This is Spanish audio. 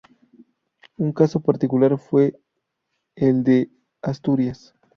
Un caso particular fue el de Asturias.